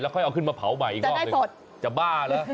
แล้วค่อยเอาขึ้นมาเผาใหม่ก็จะบ้าแล้ว